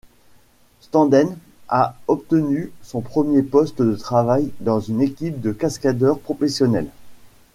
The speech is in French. Standen a obtenu son premier poste de travail dans une équipe de cascadeurs professionnels.